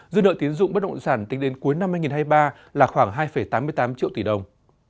dư nợ tiến dụng bất động sản tính đến cuối năm hai nghìn hai mươi ba là khoảng hai tám mươi tám triệu tỷ đồng